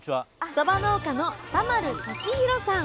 そば農家の田丸利博さん。